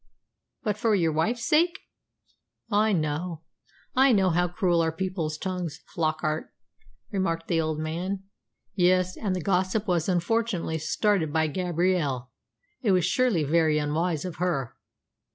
"But for your wife's sake?" "I know I know how cruel are people's tongues, Flockart," remarked the old man. "Yes; and the gossip was unfortunately started by Gabrielle. It was surely very unwise of her."